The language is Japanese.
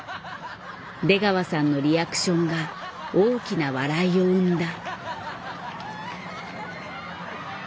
出川さんのリアクションが大きな笑いを生んだ。